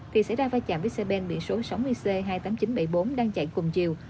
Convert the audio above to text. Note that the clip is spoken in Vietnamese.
thì xảy ra va chạm với xe ben biển số sáu mươi c hai mươi tám nghìn chín trăm bảy mươi bốn đang chạy cùng chiều